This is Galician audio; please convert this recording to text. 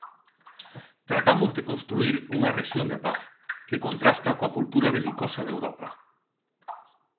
Tratamos de construír unha rexión de paz, que contrasta coa cultura belicosa de Europa.